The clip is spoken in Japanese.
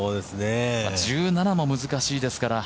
１７も難しいですから。